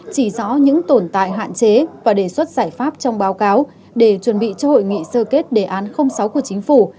chỉ rõ những tồn tại hạn chế và đề xuất giải pháp trong báo cáo để chuẩn bị cho hội nghị sơ kết đề án sáu của chính phủ